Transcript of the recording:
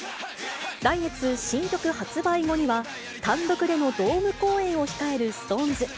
来月、新曲発売後には、単独でのドーム公演を控えるＳｉｘＴＯＮＥＳ。